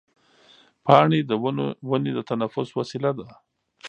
پاڼې د ونې د تنفس وسیله ده.